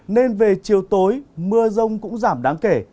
nên về chiều tối mưa rông cũng giảm đáng kể